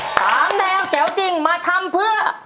สามแนวแจ๋วจริงมาทำเพื่อ